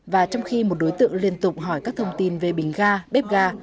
và trong khi một đối tượng liên tục hỏi các thông tin về bình ga bếp ga